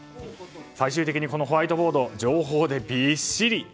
最終的に、このホワイトボードは情報でびっしり。